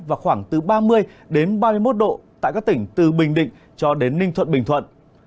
và khoảng từ ba mươi ba mươi một độ tại các tỉnh từ bình định cho đến ninh thuận bình thuận